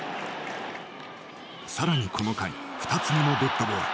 更にこの回２つ目のデッドボール。